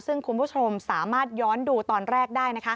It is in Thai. ซึ่งคุณผู้ชมสามารถย้อนดูตอนแรกได้